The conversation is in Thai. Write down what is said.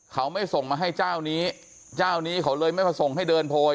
เขาไม่ส่งมาให้เจ้านี้เจ้านี้เขาเลยไม่มาส่งให้เดินโพย